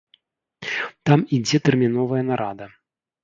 Там ідзе тэрміновая нарада.